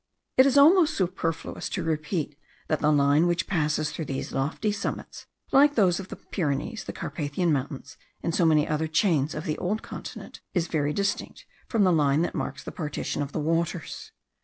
It is almost superfluous to repeat that the line which passes through these lofty summits (like those of the Pyrenees, the Carpathian mountains, and so many other chains of the old continent) is very distinct from the line that marks the partition of the waters.